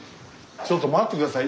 ちょっと待って下さい。